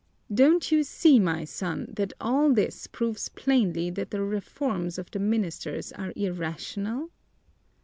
Don't you see, my son, that all this proves plainly that the reforms of the ministers are irrational?"